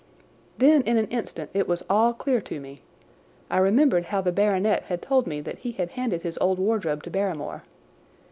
Then in an instant it was all clear to me. I remembered how the baronet had told me that he had handed his old wardrobe to Barrymore.